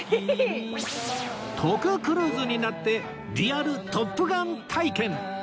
徳クルーズになってリアル『トップガン』体験！